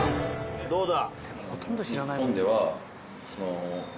どうだ？